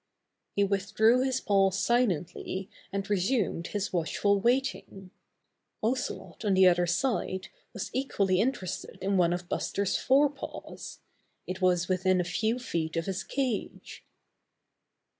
He withdrew his paw silently and resumed his watchful waiting. Ocelot on the other side was equally interested in one of Buster's fore paws. It was within a few feet of his cage.